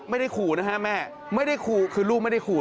ไม่ได้ขู่นะฮะแม่ไม่ได้ขู่คือลูกไม่ได้ขู่